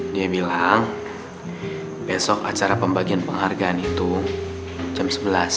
dia bilang besok acara pembagian penghargaan itu jam sebelas